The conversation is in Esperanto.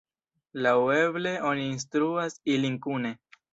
Laŭeble, oni instruas ilin kune.